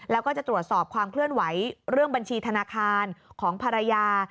แล้วก็จะตรวจสอบความเคลื่อนไหวเรื่องบัญชีธนาคารของภรรยา